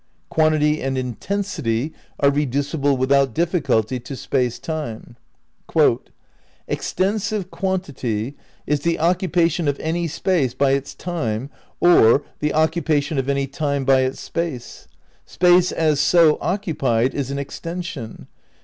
Quantity and Intensity are reducible without diffi culty to Space Time. "Extensive quantity is the occupation of any space by its time ... or ... the occupation of any time by its space. Space as so occupied is an extension.